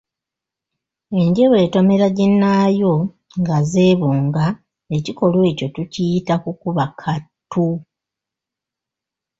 Enje bw’etomera ginnaayo nga zeebonga, ekikolwa ekyo tukiyita kukuba kattu.